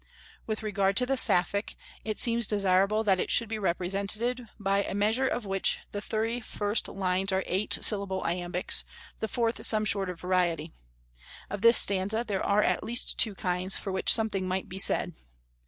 With regard to the Sapphic, it seems desirable that it should be represented by a measure of which the three first lines are eight syllable iambics, the fourth some shorter variety. Of this stanza there are at least two kinds for which something might be said.